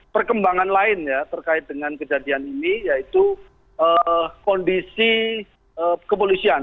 perkembangan lain ya terkait dengan kejadian ini yaitu kondisi kepolisian